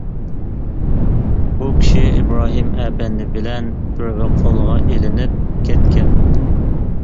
بۇ كىشى ئىبراھىم ئەپەندى بىلەن بىرگە قولغا ئېلىنىپ كەتكەن.